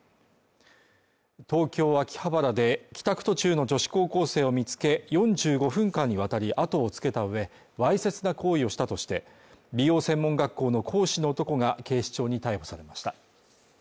東京・秋葉原で帰宅途中の女子高校生を見つけ、４５分間にわたり後をつけた上、わいせつな行為をしたとして、美容専門学校の講師の男が警視庁に逮捕されました。